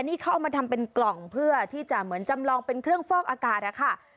นี่เขาเอามาทำเป็นกล่องเพื่อที่จะเหมือนจำลองเป็นเครื่องฟอกอากาศนะคะ